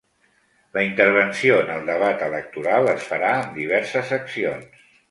La intervenció en el debat electoral es farà amb diverses accions.